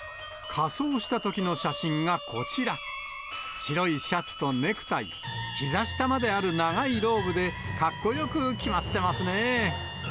仮装したときの写真がこちら、白いシャツとネクタイ、ひざ下まである長いローブで、かっこよく決まってますね。